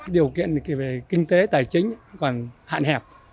điều kiện về kinh tế tài chính còn hạn hẹp